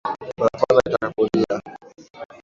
Parapanda itakapolia